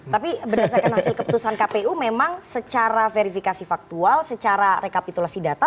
tapi berdasarkan hasil keputusan kpu memang secara verifikasi faktual secara rekapitulasi data